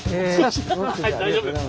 はい大丈夫です。